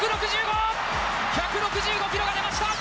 １６５キロが出ました！